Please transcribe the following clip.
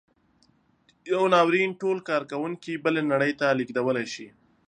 یو ناورین ټول کارکوونکي بلې نړۍ ته لېږدولی شي.